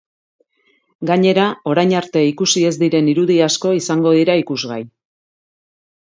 Gainera, orain arte ikusi ez diren irudi asko izango dira ikusgai.